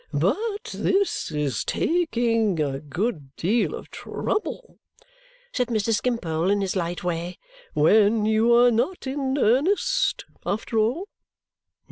"But this is taking a good deal of trouble," said Mr. Skimpole in his light way, "when you are not in earnest after all."